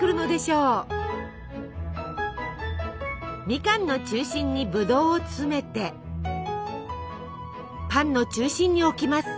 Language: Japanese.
みかんの中心にブドウを詰めてパンの中心に置きます。